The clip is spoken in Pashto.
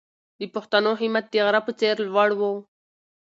د پښتنو همت د غره په څېر لوړ و.